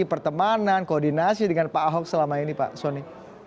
pertemanan koordinasi dengan pak ahok selama ini pak soni